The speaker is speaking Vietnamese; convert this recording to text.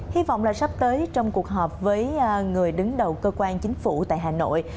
hy vọng là sắp tới trong cuộc họp với người đứng đầu cơ quan chính phủ tại hà nội